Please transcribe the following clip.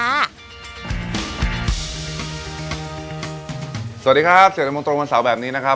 สวัสดีครับสวัสดีครับเสียงในมุมตรงวันเสาร์แบบนี้นะครับ